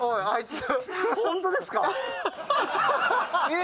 はい。